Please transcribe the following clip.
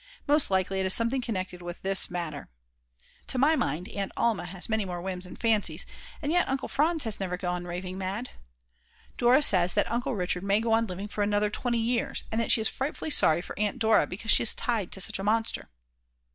Most likely it is something connected with this matter. To my mind Aunt Alma has many more whims and fancies, and yet Uncle Franz has never gone raving mad. Dora says that Uncle Richard may go on living for another 20 years, and that she is frightfully sorry for Aunt Dora because she is tied to such a monster.